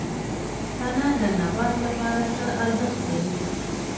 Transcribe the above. تنه د نبات لپاره څه ارزښت لري؟